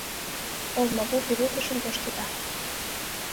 Олмапу пеледышым тошкеда.